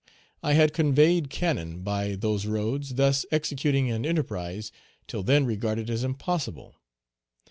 I had conveyed cannon by those roads, thus executing an enterprise till then regarded as impossible.